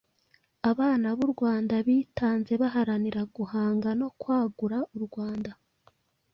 abana b’u Rwanda bitanze baharanira guhanga no kwagura u Rwanda,